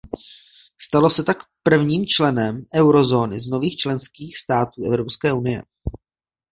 Stalo se tak prvním členem eurozóny z nových členských států Evropské unie.